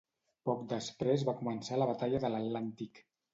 Poc després va començar la batalla de l'Atlàntic.